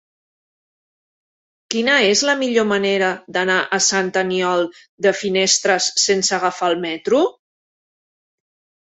Quina és la millor manera d'anar a Sant Aniol de Finestres sense agafar el metro?